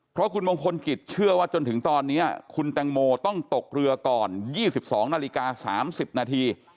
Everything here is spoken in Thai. เพราะคุณมงคลกิจเชื่อว่าจนถึงตอนนี้คุณแตงโมต้องตกเรือก่อน๒๒นาฬิกา๓๐นาที